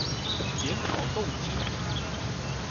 檢討動機